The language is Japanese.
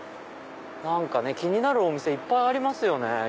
気になるお店いっぱいありますよね